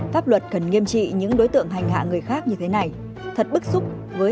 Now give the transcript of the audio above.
pháp luật cần nghiêm trị những đối tượng hành hạ người khác như thế này thật bức xúc với hành động vô nhân tính như vậy